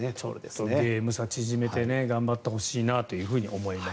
ゲーム差、縮めて頑張ってほしいなと思います。